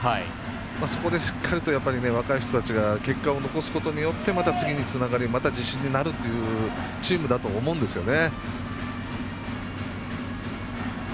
そこでしっかりと若い人たちが結果を残すことによって次につながりまた自信になるというチームだと思うんですよね。